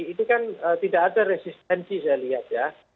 itu kan tidak ada resistensi saya lihat ya